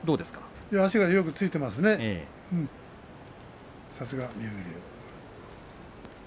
足がよくついていますね、さすが妙義龍。